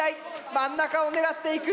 真ん中を狙っていく！